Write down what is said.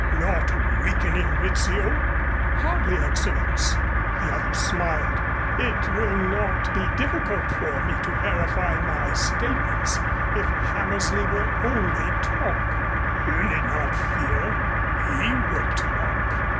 "Humph! Not weakening, Rizzio?" "Hardly, Excellenz," the other smiled. "It will not be difficult for me to verify my statements if Hammersley will only talk." "You need not fear. He will talk."